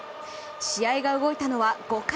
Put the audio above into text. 試合が動いたのは５回。